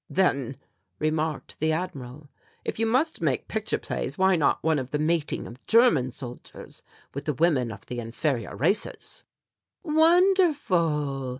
"Then," remarked the Admiral, "if you must make picture plays why not one of the mating of German soldiers with the women of the inferior races?" "Wonderful!"